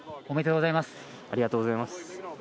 おめでとうございます。